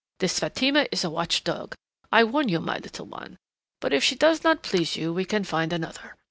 "This Fatima is a watch dog, I warn you, my little one ... but if she does not please you, we can find another.